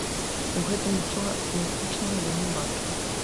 У гэтым нічога аптымістычнага я не бачу.